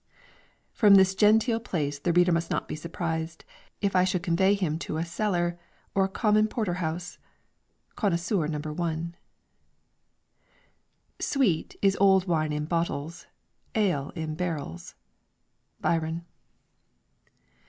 From this genteel place the reader must not be surprised, if I should convey him to a cellar, or a common porter house. CONNOISSEUR. No. 1. Sweet is old wine in bottles, ale in barrels. BYRON.